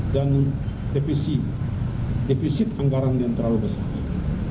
dan defisit anggaran yang terlalu besar